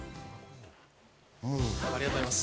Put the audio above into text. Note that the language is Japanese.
ありがとうございます。